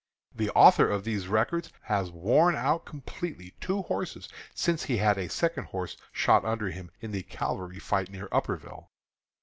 The author of these records has worn out completely two horses since he had a second horse shot under him in the cavalry fight near Upperville.